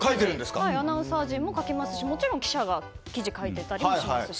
アナウンサー陣も書きますしもちろん、記者が記事を書いていたりもしますし。